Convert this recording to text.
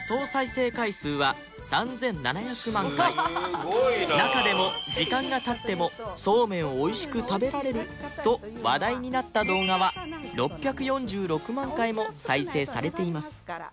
動画の中でも時間が経ってもそうめんをおいしく食べられると話題になった動画は６４６万回も再生されています